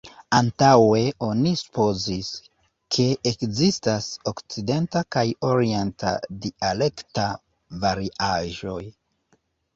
Antaŭe oni supozis, ke ekzistas okcidenta kaj orienta dialekta variaĵoj.